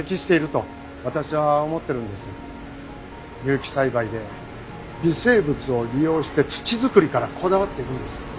有機栽培で微生物を利用して土作りからこだわっているんですよね。